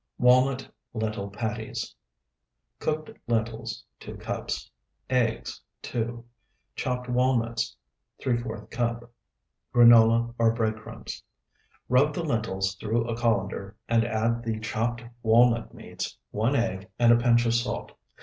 WALNUT LENTIL PATTIES Cooked lentils, 2 cups. Eggs, 2. Chopped walnuts, ¾ cup. Granola, or bread crumbs. Rub the lentils through a colander and add the chopped walnut meats, one egg, and a pinch of salt.